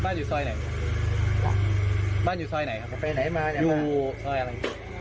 อยู่ซอยไหนบ้านอยู่ซอยไหนครับไปไหนมาเนี่ยอยู่ซอยอะไร